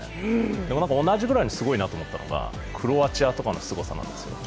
でも同じぐらいすごいなと思ったのがクロアチアとかのすごさなんですよ。